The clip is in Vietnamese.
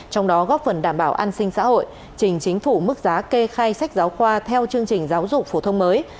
trong đó góp phần đảm bảo an sinh xã hội trình chính phủ mức giá kê khai sách giáo khoa theo chương trình giáo dục phổ thông mới